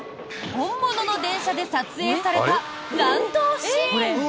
本物の電車で撮影された乱闘シーン。